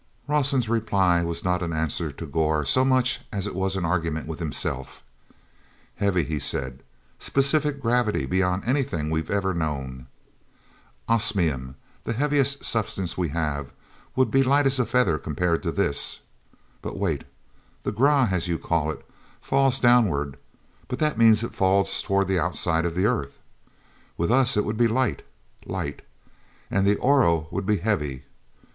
Rawson's reply was not an answer to Gor so much as it was an argument with himself. "Heavy," he said. "Specific gravity beyond anything we've ever known. Osmium, the heaviest substance we have, would be light as a feather compared to this. But wait. This Grah, as you call it, falls downward, but that means it falls toward the outside of the earth. With us it would be light—light! And Oro would be heavy.